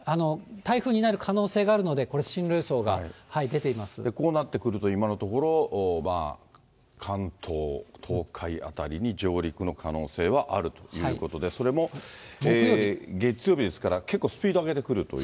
台風になる可能性があるので、こうなってくると、今のところ、関東、東海辺りに上陸の可能性はあるということで、それも月曜日ですから、結構スピード上げてくるという。